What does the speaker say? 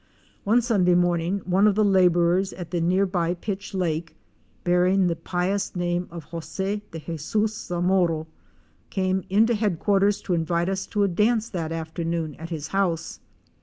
One Sunday morning one of the laborers at the near by Pitch Lake, bearing the pious name of José de Jesus Zamoro, came into headquarters to invite us to a dance that afternoon at his house.